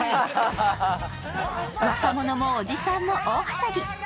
子供もおじさんもおおはしゃぎ。